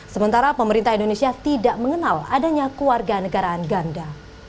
sementara pemerintah indonesia tidak mengenal adanya keluarga negaraan ganda